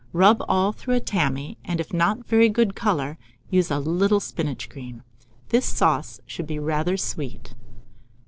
Rub all through a tammy, and if not a very good colour, use a little spinach green. This sauce should be rather sweet.